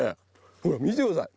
ほら見てください。